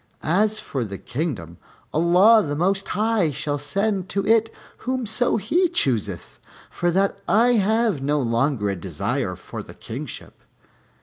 As for the kingdom, Allah the Most High shall send to it whomso He chooseth, for that I have no longer a desire for the kingship."